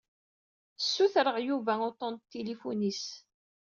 Sutreɣ Yuba uṭṭun n tilifun-is.